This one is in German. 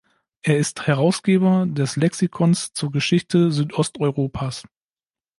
Er ist Herausgeber des "Lexikons zur Geschichte Südosteuropas".